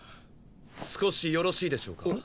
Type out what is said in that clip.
少しよろしいでしょうか？